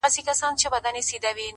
پوهه د ذهن قفلونه پرانیزي’